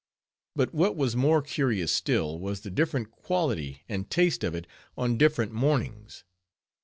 But what was more curious still, was the different quality and taste of it on different mornings.